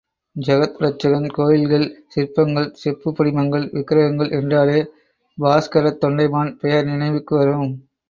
ஜகத்ரட்சகன் கோயில்கள், சிற்பங்கள், செப்பு படிமங்கள், விக்ரகங்கள் என்றாலே பாஸ்கரத் தொண்டைமான் பெயர் நினைவுக்கு வரும்.